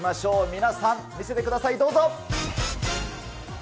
皆さん、見せてください、どうぞ。